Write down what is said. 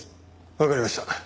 わかりました。